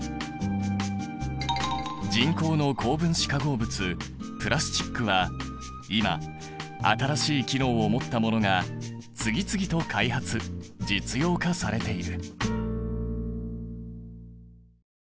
人工の高分子化合物プラスチックは今新しい機能を持ったものが次々と開発・実用化されている。